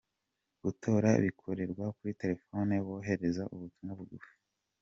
Gutora bikorerwa kuri terefone wohereje ubutumwa bugufi.